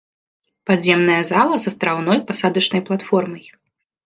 Падземная зала з астраўной пасадачнай платформай.